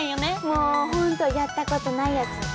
もうほんとやったことないやつ。